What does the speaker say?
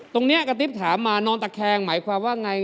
กระติ๊บถามมานอนตะแคงหมายความว่าไง